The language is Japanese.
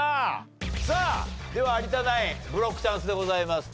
さあでは有田ナインブロックチャンスでございます。